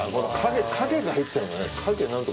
影が入っちゃうね。